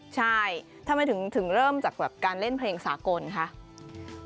ใช่ทำไมถึงเริ่มจากการเล่นเพลงประกาศสากน